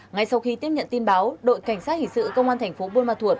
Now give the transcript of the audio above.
ngay sau khi tiếp nhận tin báo đội cảnh sát hình sự công an tp muôn ma thuật